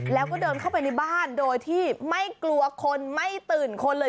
แล้วก็เดินเข้าไปในบ้านโดยที่ไม่กลัวคนไม่ตื่นคนเลย